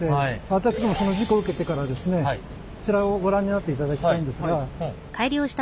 私どもその事故を受けてからですねこちらをご覧になっていただきたいんですが。